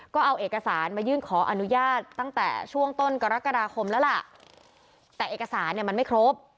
ก็เอาเอกสารมายื่นขออนุญาตตั้งแต่ช่วงต้นกรกฎาคมแล้วล่ะแต่เอกสารเนี่ยมันไม่ครบ